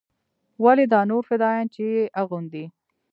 ولې دا نور فدايان چې يې اغوندي.